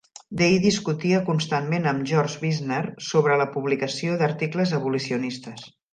Day discutia constantment amb George Wisner sobre la publicació d'articles abolicionistes.